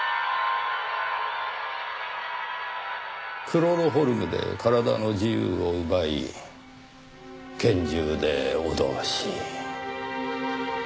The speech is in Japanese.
クロロホルムで体の自由を奪い拳銃で脅し。